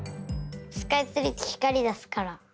スカイツリーってひかりだすから。